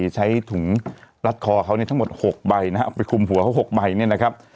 ใช้ถุงรัดคอเขาเนี่ยทั้งหมด๖ใบนะครับไปคุมหัวเขา๖ใบเนี่ยนะครับ